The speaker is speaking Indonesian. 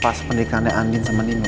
pas pendekannya andien sama nino